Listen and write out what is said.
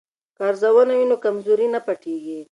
که ارزونه وي نو کمزوري نه پټیږي.